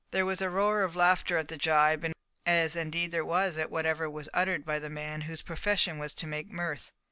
There was a roar of laughter at the gibe, as indeed there was at whatever was uttered by the man whose profession was to make mirth.